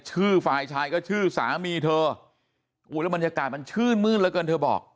ชื่อฝ่ายชายก็ชื่อสามีเธอมันงานเชื่อมื้นแล้วเธอบอก